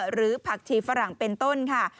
หรือผักชีฝรั่งเป็นต้นค่ะ